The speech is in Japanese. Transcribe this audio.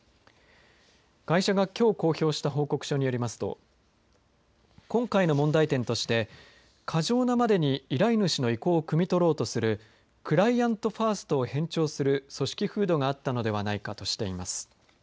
会社がきょう公表した報告書によりますと今回の問題点として過剰なまでに依頼主の意向をくみ取ろうとするクライアント・ファーストを偏重する組織風土があったのではないかとしています。